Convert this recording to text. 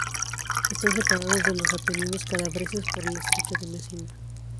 Están separados de los Apeninos calabreses por el estrecho de Mesina.